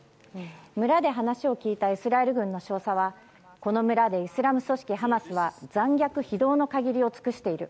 村で話を聞いたイスラエル軍の少佐はこの村でイスラム組織ハマスは残虐非道の限りを尽くしている。